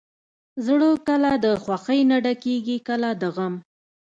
زړه کله د خوښۍ نه ډکېږي، کله د غم.